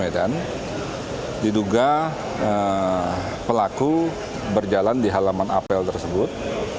medan diduga pelaku berjalan di halaman apel tersebut